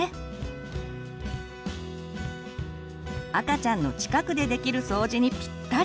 赤ちゃんの近くでできる掃除にピッタリ！